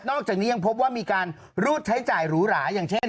จากนี้ยังพบว่ามีการรูดใช้จ่ายหรูหราอย่างเช่น